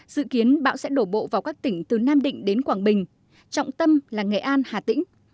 dự kiến bão sẽ đổ bộ vào các tỉnh từ nam định đến quảng bình trọng tâm là nghệ an hà tĩnh